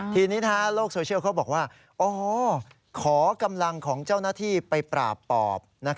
ทีนี้โลกโซเชียลเขาบอกว่าขอกำลังของเจ้าหน้าที่ไปปราบปอบ